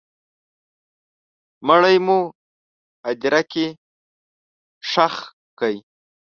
مړی مو هدیره کي ښخ کړی